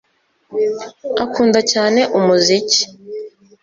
Akunda cyane umuziki